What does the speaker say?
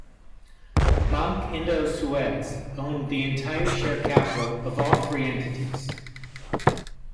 Banque Indosuez owned the entire share capital of all three entities.